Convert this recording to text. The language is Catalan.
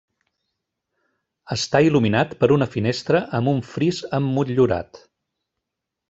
Està il·luminat per una finestra amb un fris emmotllurat.